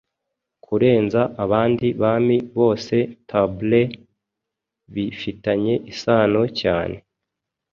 Kurenza abandi bami bose Tablet bifitanye isano cyane